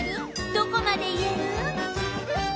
どこまで言える？